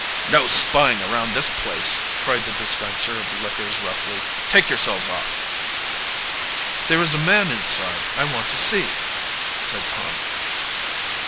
"No spying around this place!" cried the dispenser of liquors roughly. "Take yourselves off!" "There is a man inside I want to see," said Tom.